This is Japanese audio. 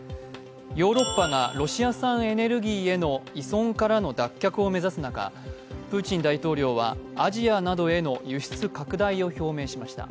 ヨーロッパがロシア産エネルギーへの依存からの脱却を目指す中、プーチン大統領はアジアなどへの輸出拡大を表明しました。